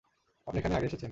আপনি এখানে আগে এসেছেন।